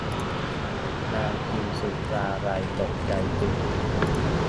นางพิมสุราลัยตกใจจึง